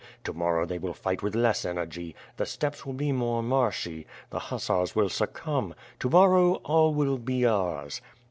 To morrow they will fight with less energy. The steppes will be more marshy. The hussars will succomb. To morrow, all will be ours."